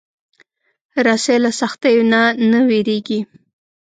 رسۍ له سختیو نه نه وېرېږي.